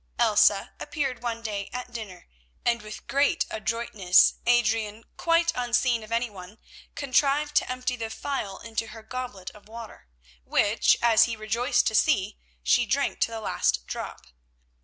Elsa appeared one day at dinner, and with great adroitness Adrian, quite unseen of anyone, contrived to empty the phial into her goblet of water, which, as he rejoiced to see, she drank to the last drop.